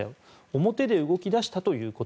表で動き出したということ。